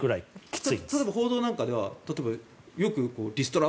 例えば報道なんかではよくリストラを。